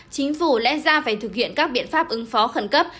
chính phủ lẽ ra phải thực hiện các biện pháp ứng phó khẩn cấp